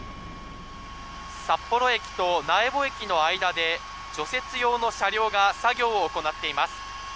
札幌駅と苗穂駅の間で除雪用の車両が作業を行っています。